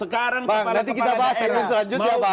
bang nanti kita bahas segmen selanjutnya bang